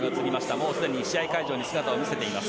もうすでに試合会場に姿を見せています。